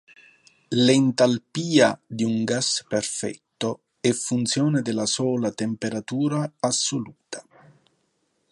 L'entalpia di un gas perfetto è funzione della sola temperatura assoluta.